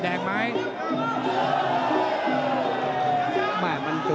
ตามต่อยกที่สองครับ